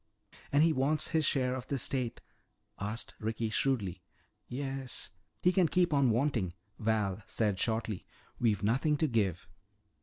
"And he wants his share of the estate?" asked Ricky shrewdly. "Yes." "He can keep on wanting," Val said shortly. "We've nothing to give."